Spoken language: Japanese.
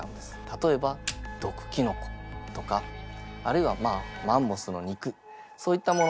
例えば毒キノコとかあるいはまあマンモスの肉そういったもの